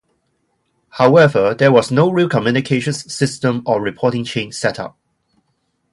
However, there was no real communications system or reporting chain set up.